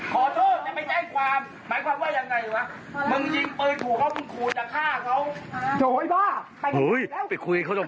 ขอโทษยังไม่แจ้ความ